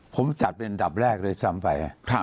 ผมจัดเป็นอันดับแรกเลยซ้ำไป